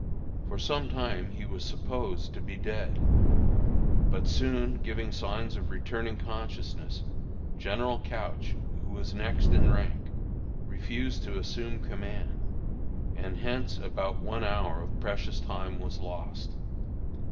For some time he was supposed to be dead, but soon giving signs of returning consciousness, General Couch, who was next in rank, refused to assume command, and hence about one hour of precious time was lost.